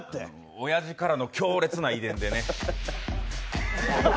おやじからの強烈な遺伝でね。